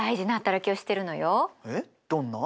えっどんな？